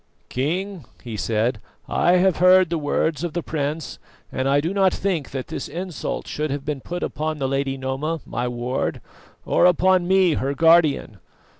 "King," he said, "I have heard the words of the prince, and I do not think that this insult should have been put upon the Lady Noma, my ward, or upon me, her guardian.